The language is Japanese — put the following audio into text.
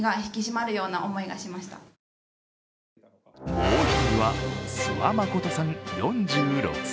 もう１人は諏訪理さん４６歳。